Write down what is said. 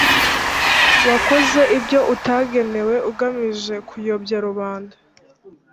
wakoze ibyo utagenewe ugamije kuyobya rubanda